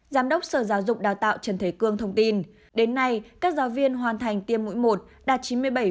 giám đốc sở giáo dục đào tạo trần thế cương thông tin đến nay các giáo viên hoàn thành tiêm mũi một đạt chín mươi bảy